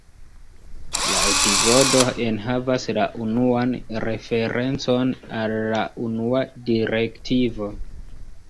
La epizodo enhavas la unuan referencon al la Unua direktivo.